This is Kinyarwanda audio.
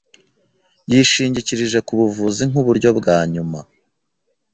Yishingikirije ku buvuzi nk'uburyo bwa nyuma.